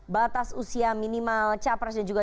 batas usia minimal capres dan juga